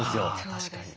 確かに。